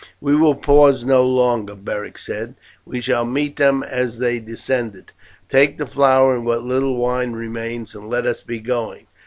"We will pause no longer," Beric said, "we shall meet them as they descend; take the flour and what little wine remains, and let us be going.